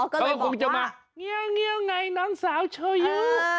ก็เลยบอกว่าเงียวไงน้องสาวโชยุ